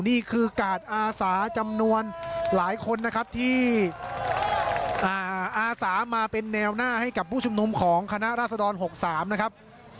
นี่คือกาดอาสาจำนวนหลายคนนะครับที่อาสามาเป็นแนวหน้าให้กับผู้ชุมนุมของคณะราษฎร๖๓นะครับ